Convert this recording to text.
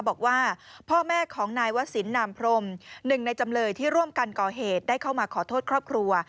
บอกว่าพ่อแม่ของนายวศิลปนามพรมหนึ่งในจำเลยที่ร่วมกันก่อเหตุได้เข้ามาขอโทษครอบครัว